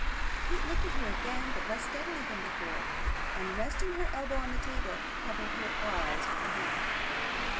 Kate looked at her again, but less steadily than before; and resting her elbow on the table, covered her eyes with her hand.